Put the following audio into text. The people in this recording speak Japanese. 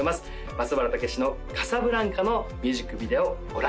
松原健之の「カサブランカ」のミュージックビデオご覧